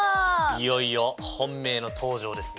いよいよ本命の登場ですね。